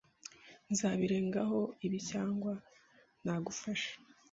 Nzabirengaho ibi cyangwa ntagufasha.